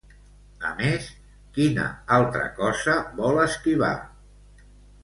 A més, quina altra cosa vol esquivar?